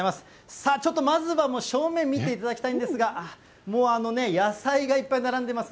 さあ、ちょっとまずは正面見ていただきたいんですが、もう、あのね、野菜がいっぱい並んでいます。